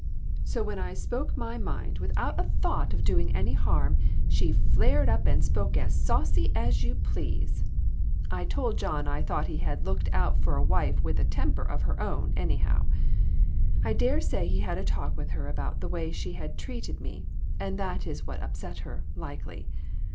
So when I spoke my mind without a thought of DON T REPEAT IT. 149 doing any harm, she flared up and spoke as saucy as you please. I told John I thought he had looked out for a wife with a temper of her own, anyhow. I dare say he had a talk with her about the way she had treated me, and that is what upset her, likely.